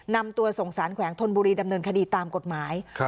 นำตัวส่งสารแขวงธนบุรีดำเนินคดีตามกฎหมาย